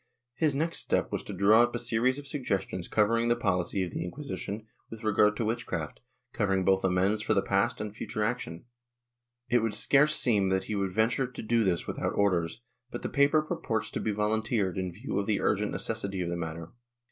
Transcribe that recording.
His next step was to draw up a series of suggestions covering the pohcy of the Inquisition with regard to witchcraft, covering both amends for the past and future action. It would scarce seem that he would venture to do this without orders, but the paper purports to be volunteered in view of the urgent necessity of the matter.